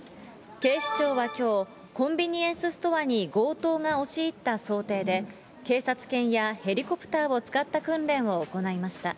警視庁はきょう、コンビニエンスストアに強盗が押し入った想定で、警察犬やヘリコプターを使った訓練を行いました。